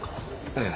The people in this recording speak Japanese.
ええ。